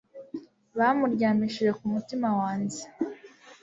bamuryamishije ku mutima wanjye